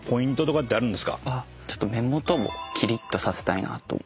ちょっと目元をキリッとさせたいなと。